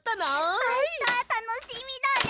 あしたたのしみだね！